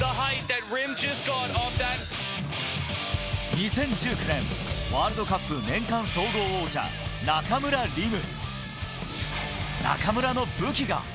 ２０１９年ワールドカップ年間総合王者、中村輪夢。